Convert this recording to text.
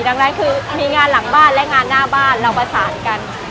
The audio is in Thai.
ดังนั้นคือมีงานหลังบ้านและงานหน้าบ้านเราประสานกัน